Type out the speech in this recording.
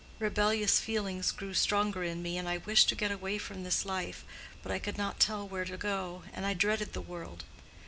Rebellious feelings grew stronger in me, and I wished to get away from this life; but I could not tell where to go, and I dreaded the world.